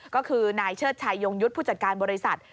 ก็คือนายเชิดชัยยงยุทธ์ผู้จัดการบริษัท